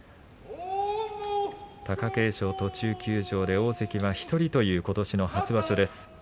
貴景勝、途中休場で大関は１人ということしの初場所です。